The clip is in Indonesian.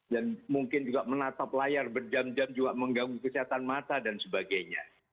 dan mungkin juga menatap layar berjam jam juga mengganggu kesehatan mata dan sebagainya